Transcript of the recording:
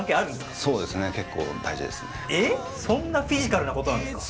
そんなフィジカルなことなんですか？